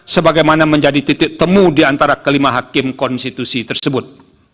sebagaimana menjadi titik temu di antara kelima hakim konstitusi tersebut